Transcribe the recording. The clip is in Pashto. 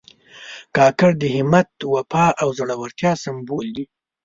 کاکړ د همت، وفا او زړورتیا سمبول دي.